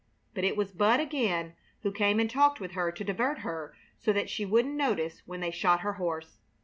But it was Bud again who came and talked with her to divert her so that she wouldn't notice when they shot her horse.